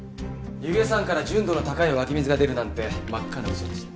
弓削山から純度の高い湧き水が出るなんて真っ赤な嘘でした。